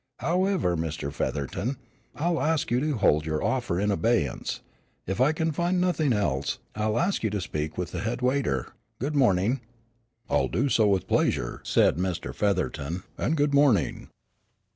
However, Mr. Featherton, I'll ask you to hold your offer in abeyance. If I can find nothing else, I'll ask you to speak to the head waiter. Good morning." "I'll do so with pleasure," said Mr. Featherton, "and good morning."